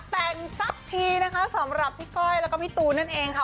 แต่งสักทีนะคะสำหรับพี่ก้อยแล้วก็พี่ตูนนั่นเองค่ะ